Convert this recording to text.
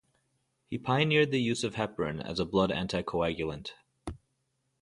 He pioneered the use of heparin as a blood anti-coagulant.